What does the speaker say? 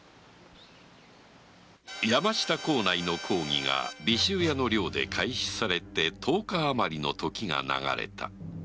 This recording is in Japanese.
山下幸内の講義が尾州屋の寮で開始され十日余りの時が流れた